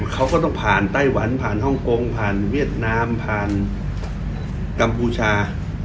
เขาก็ต้องผ่านไต้หวันผ่านฮ่องกงผ่านเวียดนามผ่านกัมพูชา